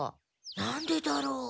なんでだろ？